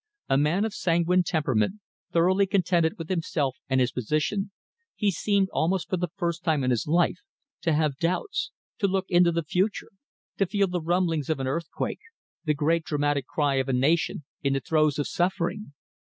A man of sanguine temperament, thoroughly contented with himself and his position, he seemed almost for the first time in his life, to have doubts, to look into the future, to feel the rumblings of an earthquake, the great dramatic cry of a nation in the throes of suffering.